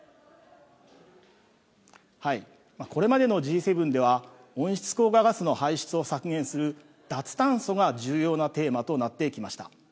これまでのＧ７では、温室効果ガスの排出を削減する、脱炭素が重要なテーマとなってきました。